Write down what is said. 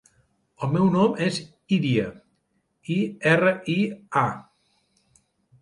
El meu nom és Iria: i, erra, i, a.